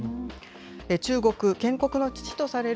中国建国の父とされる